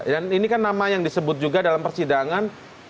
dan ini kan nama yang disebut juga dalam persidangannya